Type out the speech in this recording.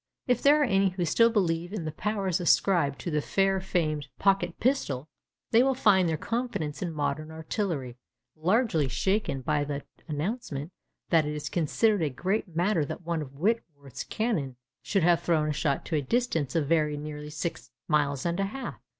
If there are any who still believe in the powers ascribed to the far famed 'pocket pistol,' they will find their confidence in modern artillery largely shaken by the announcement that it is considered a great matter that one of Whitworth's cannon should have thrown a shot to a distance of very nearly six miles and a half.